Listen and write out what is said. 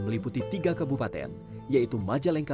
bisa dibuat secara sahur